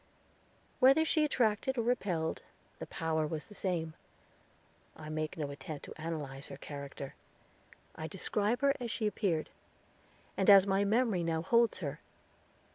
Whether she attracted or repelled, the power was the same. I make no attempt to analyze her character. I describe her as she appeared, and as my memory now holds her.